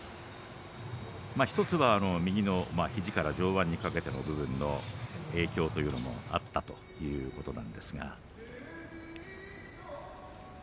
１つは右の肘から上腕にかけてのけがの影響もあったということなんですが。